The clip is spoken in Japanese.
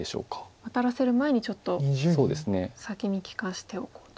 ワタらせる前にちょっと先に利かしておこうと。